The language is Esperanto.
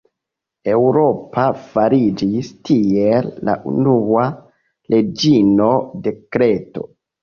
Eŭropa fariĝis, tiele, la unua reĝino de Kreto.